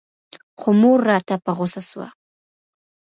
خو مور راته په غوسه سوه.